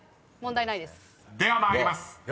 ［では参ります。